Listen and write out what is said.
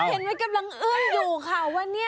เห็นไหมกำลังเอื้อนอยู่ค่ะว่าเนี่ย